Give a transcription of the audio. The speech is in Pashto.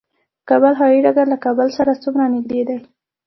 د کابل هوايي ډګر له ښار سره څومره نږدې دی؟